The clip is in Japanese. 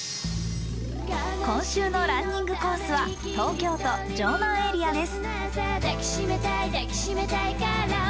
今週のランニングコースは東京都城南エリアです。